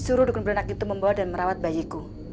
suruh dukun beranak itu membawa dan merawat bayiku